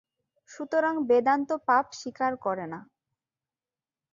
সুতরাং বেদান্ত পাপ স্বীকার করে না।